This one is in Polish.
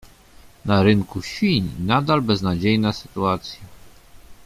Na rynku świń nadal beznadziejna sytuacja.